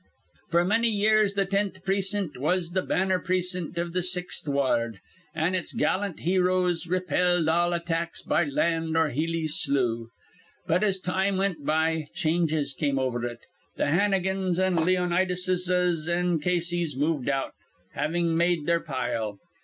"'F'r manny years th' tenth precint was th' banner precint iv th' Sixth Wa ard, an' its gallant heroes repelled all attacks by land or Healey's slough. But, as time wint by, changes come over it. Th' Hannigans an' Leonidases an' Caseys moved out, havin' made their pile.